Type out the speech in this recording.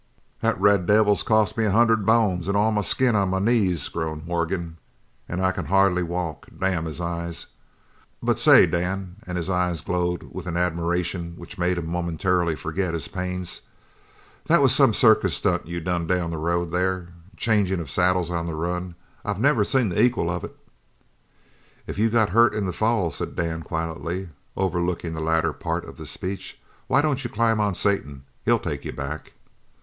"That red devil has cost me a hundred bones and all the skin on my knees," groaned Morgan, "and I can hardly walk. Damn his eyes. But say, Dan" and his eyes glowed with an admiration which made him momentarily forget his pains "that was some circus stunt you done down the road there that changin' of saddles on the run, I never seen the equal of it!" "If you got hurt in the fall," said Dan quietly, overlooking the latter part of the speech, "why don't you climb onto Satan. He'll take you back."